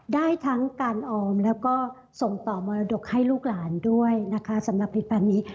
ได้ทั้งการออมแล้วก็ส่งต่อมรดกให้ลูกหลานด้วยนะคะสำหรับผลิตภัณฑ์นี้